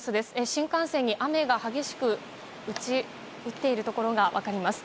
新幹線に雨が激しく打ち付けているところが分かります。